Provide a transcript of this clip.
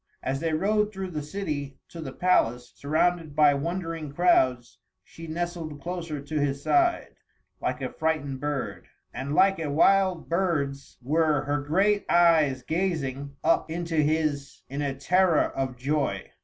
As they rode through the city to the palace, surrounded by wondering crowds, she nestled closer to his side, like a frightened bird, and like a wild birds were her great eyes gazing up into his in a terror of joy.